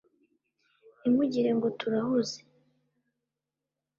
ntimugire ngo turahuze